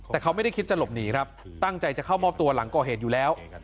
แต่เขาไม่ได้คิดจะหลบหนีครับตั้งใจจะเข้ามอบตัวหลังก่อเหตุอยู่แล้ว